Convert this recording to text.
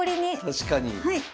確かに。